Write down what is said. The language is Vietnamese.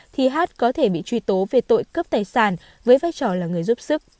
thì hát có thể bị truy tố về tội cướp tài sản với vai trò là người giúp sức